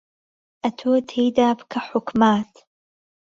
ئهتۆ تێیدا پکه حوکمات